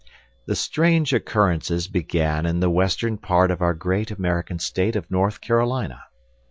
The strange occurrences began in the western part of our great American State of North Carolina.